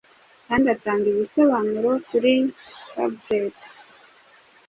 kandi atanga ibisobanuro kuri tablet-